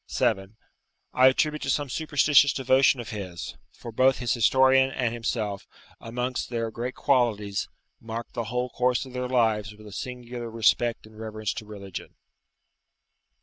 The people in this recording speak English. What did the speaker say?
7.] I attribute to some superstitious devotion of his; for both his historian and himself, amongst their great qualities, marked the whole course of their lives with a singular respect and reverence to religion.